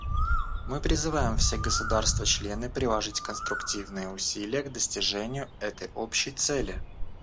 Мы призываем все государства-члены приложить конструктивные усилия к достижению этой общей цели.